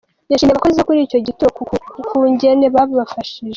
Yashimiye abakozi bo kuri ico gituro ku kungene bafashije.